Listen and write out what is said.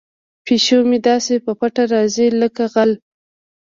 پیشو مې داسې په پټه راځي لکه غل.